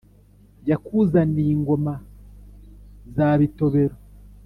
yakuzaniye ingoma za bitobero,